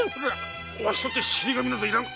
わしとて死神などいらぬ！